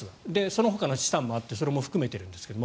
そのほかの資産もあってそれも含めているんですか。